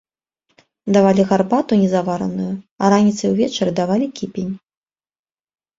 Давалі гарбату незавараную, а раніцай і ўвечары давалі кіпень.